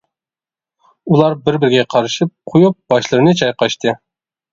ئۇلار بىر-بىرىگە قارىشىپ قويۇپ باشلىرىنى چايقاشتى.